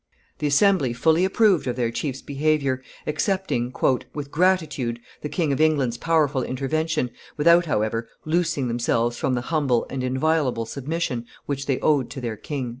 The assembly fully approved of their chief's behavior, accepting "with gratitude the King of England's powerful intervention, without, however, loosing themselves from the humble and inviolable submission which they owed to their king."